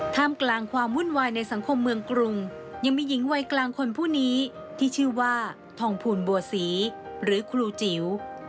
กลางความวุ่นวายในสังคมเมืองกรุงยังมีหญิงวัยกลางคนผู้นี้ที่ชื่อว่าทองภูลบัวศรีหรือครูจิ๋ว